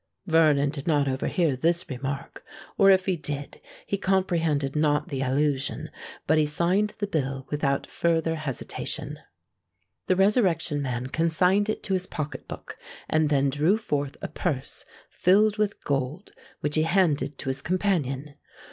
Vernon did not overhear this remark—or, if he did, he comprehended not the allusion; but he signed the bill without farther hesitation. The Resurrection Man consigned it to his pocket book, and then drew forth a purse filled with gold, which he handed to his companion.